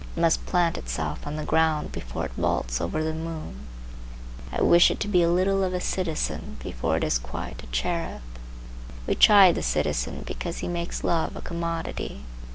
It must plant itself on the ground, before it vaults over the moon. I wish it to be a little of a citizen, before it is quite a cherub. We chide the citizen because he makes love a commodity.